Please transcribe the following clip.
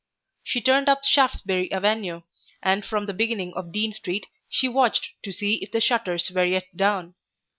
She turned up Shaftesbury Avenue, and from the beginning of Dean Street she watched to see if the shutters were yet down.